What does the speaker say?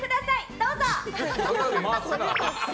どうぞ！